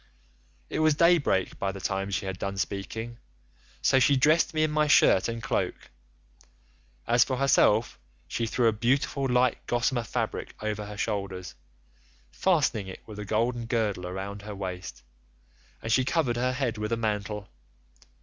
"It was day break by the time she had done speaking, so she dressed me in my shirt and cloak. As for herself she threw a beautiful light gossamer fabric over her shoulders, fastening it with a golden girdle round her waist, and she covered her head with a mantle.